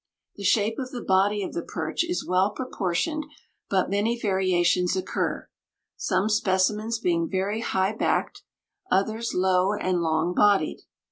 The shape of the body of the perch is well proportioned, but many variations occur, some specimens being very high backed, others low and long bodied.